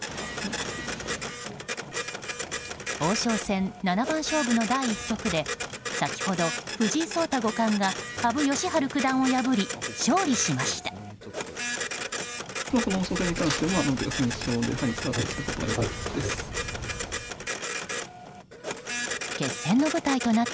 王将戦七番勝負の第１局で先ほど、藤井聡太五冠が羽生善治九段を破り勝利しました。